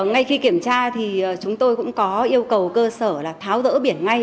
ngay khi kiểm tra thì chúng tôi cũng có yêu cầu cơ sở là tháo rỡ biển ngay